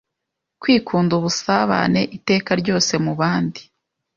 Kwikunda ubusabane iteka ryose mubandi